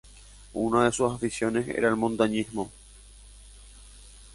Una de sus aficiones era el montañismo.